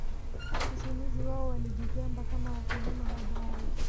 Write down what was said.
Sisimizi wao walijigamba kama wakulima hodari